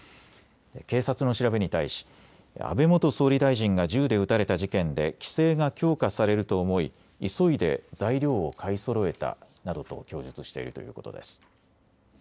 警察の調べに対し安倍元総理大臣が銃で撃たれた事件で規制が強化されると思い、急いで材料を買いそろえたなどと供述しているということです。